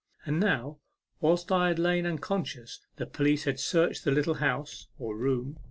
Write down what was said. And now, whilst I had lain unconscious, the police had searched the little house, or room, A MEMORABLE SWIM.